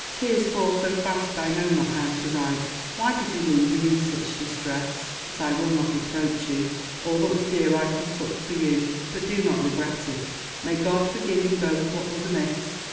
Tears fall so fast I know not how to write. Why did you leave me in such distress? But I will not reproach you. All that was dear I forsook for you, but do not regret it. May God forgive in both what was amiss.